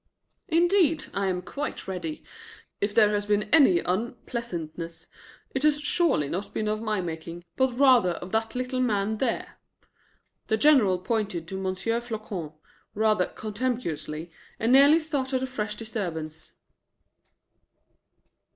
"Indeed, I am quite ready. If there has been any unpleasantness, it has surely not been of my making, but rather of that little man there." The General pointed to M. Floçon rather contemptuously, and nearly started a fresh disturbance.